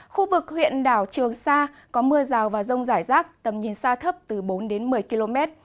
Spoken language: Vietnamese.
khu vực huyện đảo trường sa có mưa rào và rông rải rác tầm nhìn xa thấp từ bốn đến một mươi km